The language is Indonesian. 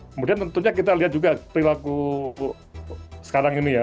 kemudian tentunya kita lihat juga perilaku sekarang ini ya